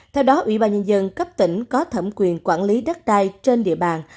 theo đó ủy ban nhân dân cấp tỉnh có thẩm quyền quản lý đất đai trên địa bàn